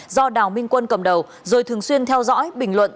do đào minh quân cầm đầu rồi thường xuyên theo dõi bình luận